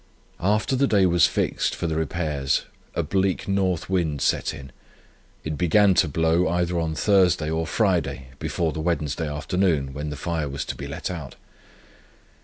After the day was fixed for the repairs a bleak North wind set in. It began to blow either on Thursday or Friday before the Wednesday afternoon, when the fire was to be let out.